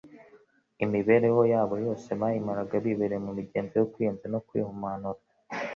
Imibereho yabo yose bayimaraga bibereye mu migenzo yo kwiyeza no kwihumanura.